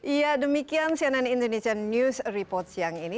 iya demikian cnn indonesian news report siang ini